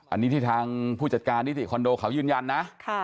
อันนี้ที่ทางผู้จัดการนิติคอนโดเขายืนยันนะ